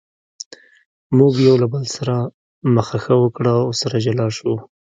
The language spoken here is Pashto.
موږ یو له بل سره مخه ښه وکړه او سره جلا شوو.